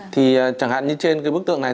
thì chẳng hạn như trên bức tượng này